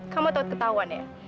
kamu tau ketahuan ya